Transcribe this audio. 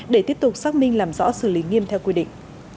để tiếp tục xác minh làm rõ xử lý nghiêm theo quy định